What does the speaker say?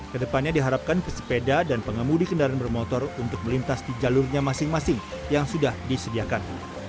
kedepannya diharapkan pesepeda dan pengemudi kendaraan bermotor untuk melintas di jalurnya masing masing yang sudah disediakan